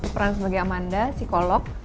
peran sebagai amanda psikolog